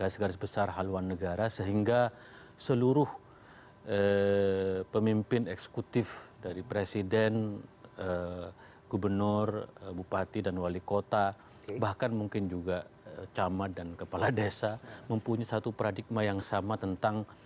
segaris besar haluan negara sehingga seluruh pemimpin eksekutif dari presiden gubernur bupati dan wali kota bahkan mungkin juga camat dan kepala desa mempunyai satu paradigma yang sama tentang